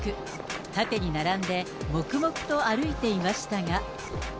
縦に並んで、黙々と歩いていましたが。